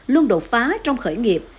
luôn đột phá trong khởi nghiệp